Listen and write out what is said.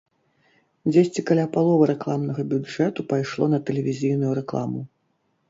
Дзесьці каля паловы рэкламнага бюджэту пайшло на тэлевізійную рэкламу.